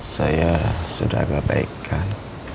saya sudah ngebaikan